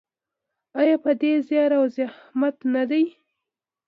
آیا په ډیر زیار او زحمت نه دی؟